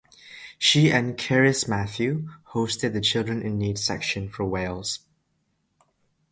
She and Cerys Matthews hosted the Children in Need section for Wales.